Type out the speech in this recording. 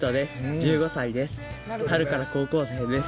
１１歳です。